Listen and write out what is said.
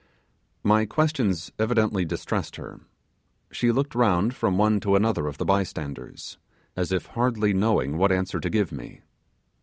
My questions evidently distressed her. She looked round from one to another of the bystanders, as if hardly knowing what answer to give me.